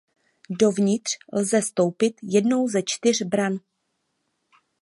Dovnitř lze vstoupit jednou ze čtyř bran.